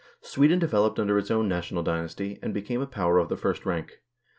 Sweden developed under its own national dynasty, and became a power of the first rank.